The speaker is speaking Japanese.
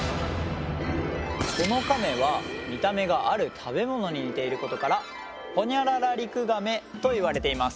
このカメは見た目がある食べ物に似ていることからほにゃららリクガメといわれています。